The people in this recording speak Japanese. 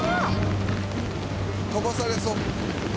「飛ばされそう」